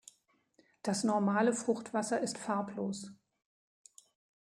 Das normale Fruchtwasser ist farblos.